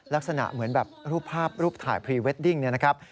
ลักษณะเหมือนแบบรูปภาพรูปถ่ายพรีเวดดิ้งเนี่ยนะครับ